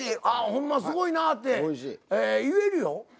ああほんますごいなぁ」って言えるよ。